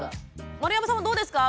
丸山さんもどうですか？